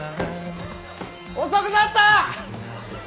遅くなった！